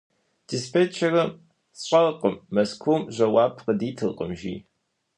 Диспетчерым: «СщӀэркъым, Мэзкуу жэуап къыдитыркъым», - жи.